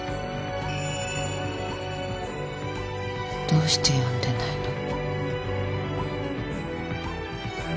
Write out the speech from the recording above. どうして読んでないの？